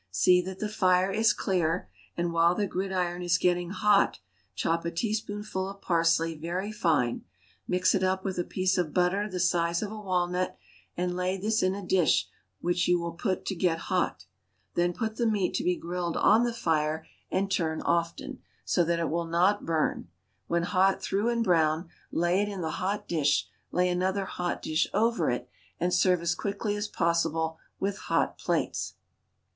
See that the fire is clear, and while the gridiron is getting hot, chop a teaspoonful of parsley very fine, mix it up with a piece of butter the size of a walnut, and lay this in a dish which you will put to get hot. Then put the meat to be grilled on the fire and turn often, so that it will not burn; when hot through and brown, lay it in the hot dish, lay another hot dish over it, and serve as quickly as possible with hot plates.